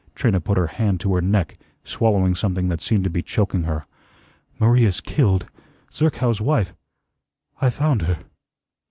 Trina put her hand to her neck; swallowing something that seemed to be choking her. "Maria's killed Zerkow's wife I found her."